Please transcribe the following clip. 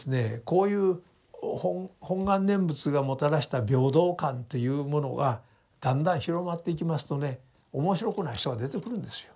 こういう本願念仏がもたらした平等観というものがだんだん広まっていきますとね面白くない人が出てくるんですよ。